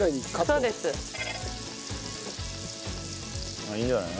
ああいいんじゃない？